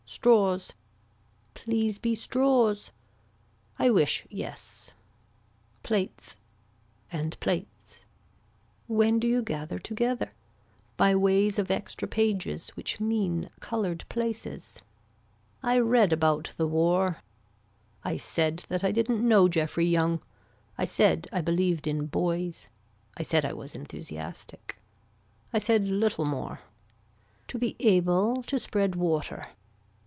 Straws. Please be straws. I wish yes. Plates. And plates. When do you gather together. By ways of extra pages which mean colored places. I read about the war. I said that I didn't know Geoffrey Young. I said I believed in boys. I said I was enthusiastic. I said little more. To be able to spread water.